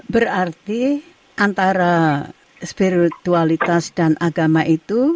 berarti antara spiritualitas dan agama itu